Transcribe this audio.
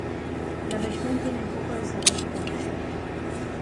La región tiene poco desarrollo comercial.